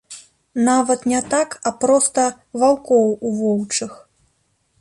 Нават не так, а проста ваўкоў у воўчых.